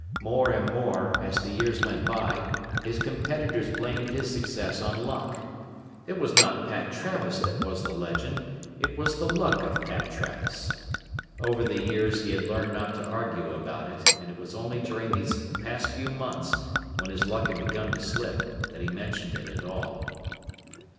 More and more, as the years went by, his competitors blamed his success on luck. It was not Pat Travis that was the legend, it was the luck of Pat Travis. Over the years he had learned not to argue about it, and it was only during these past few months, when his luck had begun to slip, that he mentioned it at all.